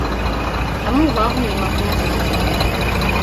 Таму вагу не магу назваць.